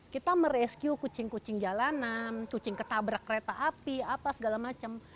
kita merescue kucing kucing jalanan kucing ketabrak kereta api apa segala macam